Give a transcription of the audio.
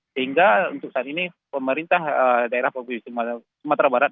sehingga untuk saat ini pemerintah daerah pembuatan pembuatan pembuatan sumatera barat